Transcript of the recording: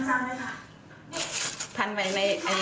งันนี่เห็นไหมไม่ใช่